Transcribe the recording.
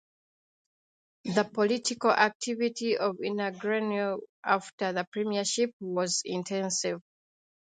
The political activity of Ungureanu after the premiership was intensive.